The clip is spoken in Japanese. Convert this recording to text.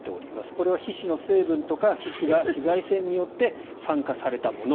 これは皮脂の成分とか皮脂が紫外線によって酸化されたもの。